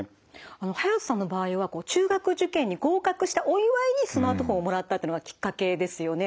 ハヤトさんの場合は中学受験に合格したお祝いにスマートフォンをもらったのがきっかけですよね。